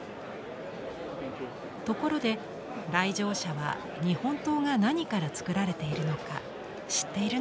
ところで来場者は日本刀が何からつくられているのか知っているのでしょうか？